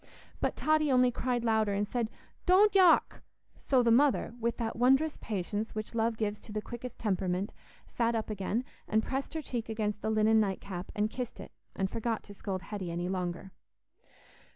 But Totty only cried louder, and said, "Don't yock!" So the mother, with that wondrous patience which love gives to the quickest temperament, sat up again, and pressed her cheek against the linen night cap and kissed it, and forgot to scold Hetty any longer.